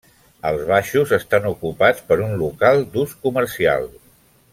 Els baixos estan ocupats per un local d'ús comercial.